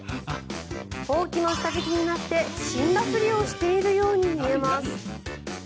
ほうきの下敷きになって死んだふりをしているように見えます。